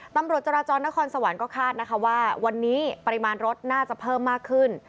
ตำรวจจราจรนครสวรรค์ก็คาดนะคะว่าวันนี้ปริมาณรถน่าจะเพิ่มมากขึ้น